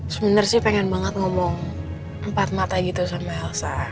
sebenarnya sih pengen banget ngomong empat mata gitu sama elsa